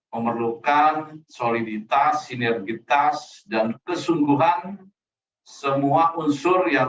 memerlukan soliditas sinergitas dan kesungguhan semua unsur yang